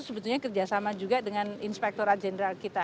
sebetulnya kerjasama juga dengan inspektoral general kita